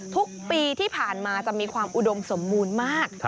ทุกปีที่ผ่านมาจะมีความอุดมสมบูรณ์มาก